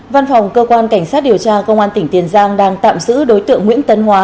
văn phòng cơ quan cảnh sát điều tra công an tỉnh tiền giang đang tạm giữ đối tượng nguyễn tấn hóa